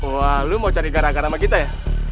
wah lu mau cari gara gara sama kita ya